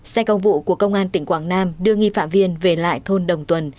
xe công vụ của công an tỉnh quảng nam đưa nghi phạm viên về lại thôn đồng tuần